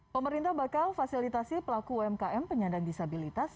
pemerintah bakal fasilitasi pelaku umkm penyandang disabilitas